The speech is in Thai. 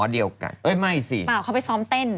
เพราะว่าเค้าไปซ้อมเต้น